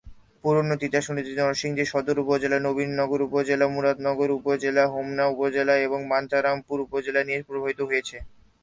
পুরনো তিতাস নদীটি নরসিংদী সদর উপজেলা, নবীনগর উপজেলা, মুরাদনগর উপজেলা, হোমনা উপজেলা এবং বাঞ্ছারামপুর উপজেলা দিয়ে প্রবাহিত হয়েছে।